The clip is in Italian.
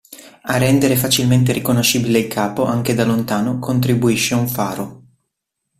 A rendere facilmente riconoscibile il capo, anche da lontano, contribuisce un faro.